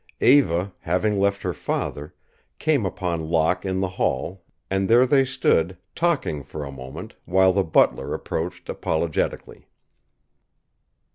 Eva, having left her father, came upon Locke in the hall, and there they stood talking for a moment, when the butler approached apologetically.